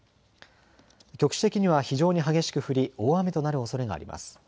局地的には非常に激しく降り大雨となるおそれがあります。